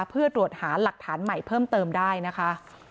เพื่อตรวจหาหลักฐานใหม่เพิ่มเติมได้นะคะ